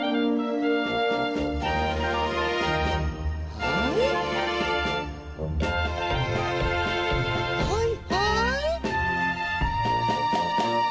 はいはい。